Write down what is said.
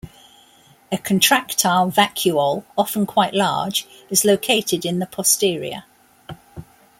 A contractile vacuole, often quite large, is located in the posterior.